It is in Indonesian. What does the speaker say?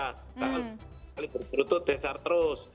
karena kali bersebut itu cesar terus